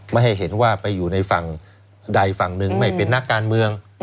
ไม่ให้เห็นว่าไปอยู่ในฝั่งใดฝั่งหนึ่งไม่เป็นนักการเมือง